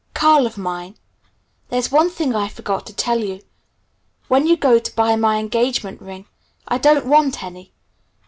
"Carl of Mine. "There's one thing I forgot to tell you. When you go to buy my engagement ring I don't want any!